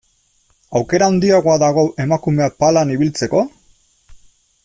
Aukera handiagoa dago emakumeak palan ibiltzeko?